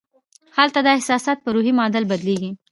هلته دا احساسات پر روحي معادل بدلېږي